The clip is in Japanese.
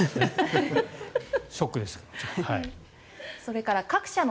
ショックでしたが。